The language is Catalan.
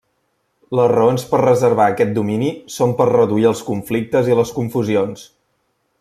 Les raons per reservar aquest domini són per reduir els conflictes i les confusions.